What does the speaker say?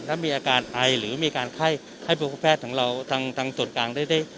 ถ้ามีอาการอายหรือมีอาการไข้ให้บริษัทของเราทางทางสดการได้ได้